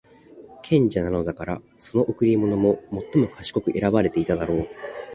賢者なのだから、その贈り物も最も賢く選ばていただろう。